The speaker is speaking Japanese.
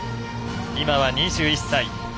今は２１歳。